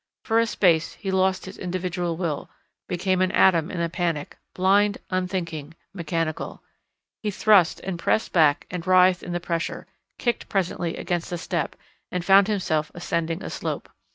For a space he lost his individual will, became an atom in a panic, blind, unthinking, mechanical. He thrust and pressed back and writhed in the pressure, kicked presently against a step, and found himself ascending a slope.